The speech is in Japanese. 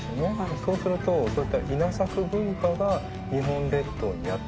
そうするとそういった稲作文化が日本列島にやって来たのか？